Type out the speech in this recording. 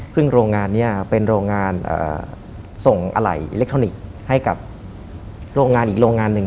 ซึ่งโรงงานนี้เป็นโรงงานส่งอะไหล่อิเล็กทรอนิกส์ให้กับโรงงานอีกโรงงานหนึ่ง